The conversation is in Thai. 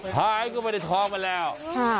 หายก็ไปในท้องไปแล้ว